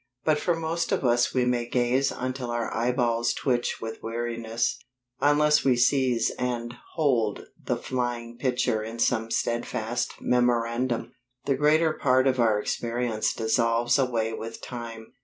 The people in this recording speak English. But for most of us we may gaze until our eyeballs twitch with weariness; unless we seize and hold the flying picture in some steadfast memorandum, the greater part of our experience dissolves away with time.